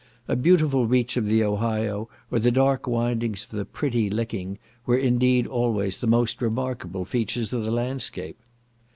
A beautiful reach of the Ohio, or the dark windings of the pretty Licking, were indeed always the most remarkable features in the landscape.